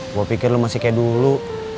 gue pikir lo masih kayak dulu